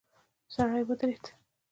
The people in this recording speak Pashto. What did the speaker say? سړی ودرید.